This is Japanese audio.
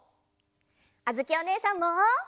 あづきおねえさんも。